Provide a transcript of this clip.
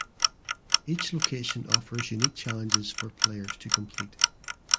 Each location offers unique challenges for players to complete.